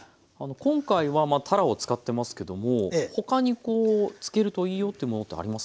今回はたらを使ってますけども他にこう漬けるといいよというものってあります？